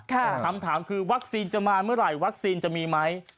คำถามคือวัคซีนจะมาเมื่อไหร่วัคซีนจะมีไหม